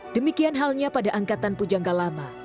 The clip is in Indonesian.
demikian halnya pada angkatan pujangga lama